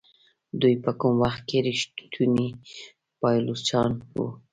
دوی په کوم وخت کې ریښتوني پایلوچان وو.